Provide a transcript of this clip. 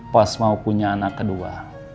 pas mau punya anak kedua